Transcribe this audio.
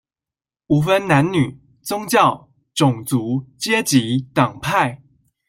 無分男女、宗教、種族、階級、黨派